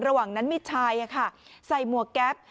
ระหว่างนั้นมีชายอะค่ะใส่มัวแก๊บ